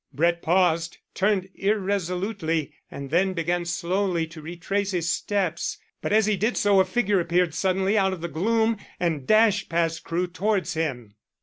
Brett paused, turned irresolutely, and then began slowly to retrace his steps. But as he did so a figure appeared suddenly out of the gloom and dashed past Crewe towards him.